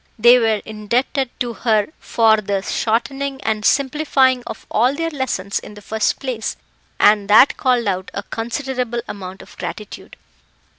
They were indebted to her tor the shortening and simplifying of all their lessons in the first place, and that called out a considerable amount of gratitude.